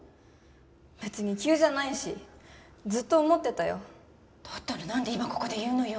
別に急じゃないしずっと思ってたよだったら何で今ここで言うのよ